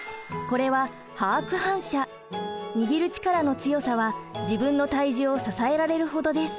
これは握る力の強さは自分の体重を支えられるほどです。